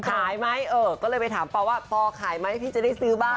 ขายไหมเออก็เลยไปถามปอว่าปอขายไหมพี่จะได้ซื้อบ้าง